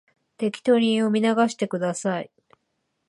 適当に読み流してください